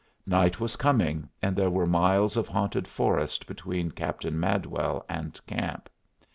Night was coming and there were miles of haunted forest between Captain Madwell and camp.